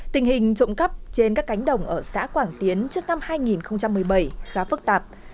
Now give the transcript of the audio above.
tình hình trộm cắp trên các cánh đồng ở xã quảng tiến trước năm hai nghìn một mươi bảy khá phức tạp